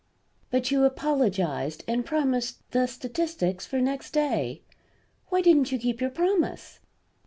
"But you apologized; and promised the statistics for next day. Why didn't you keep your promise."